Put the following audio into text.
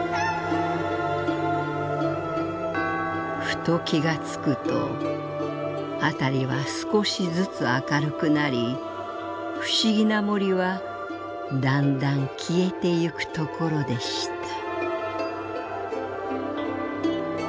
「ふと気がつくと辺りは少しずつ明るくなり不思議な森はだんだん消えてゆくところでした」。